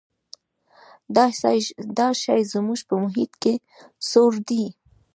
دا شی زموږ په محیط کې سوړ دی.